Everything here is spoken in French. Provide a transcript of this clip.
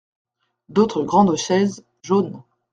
D’autres grandes chaises jaunes.